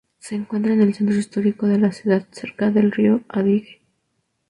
Se encuentra en el centro histórico de la ciudad, cerca del río Adige.